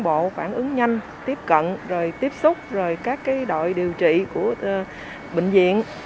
bộ phản ứng nhanh tiếp cận tiếp xúc các đội điều trị của bệnh viện